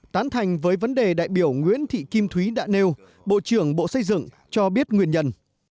tán thành với vấn đề đại biểu nguyễn thị kim thúy đã nêu bộ trưởng bộ xây dựng cho biết nguyên nhân